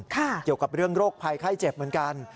เกี่ยวกับเรื่องโรคภัยไข้เจ็บเหมือนกัน